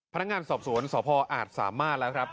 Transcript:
พนักงานสอบสวนสพอาจสามารถแล้วครับ